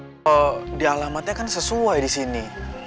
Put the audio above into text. kalau di alamatnya kan sesuai di sini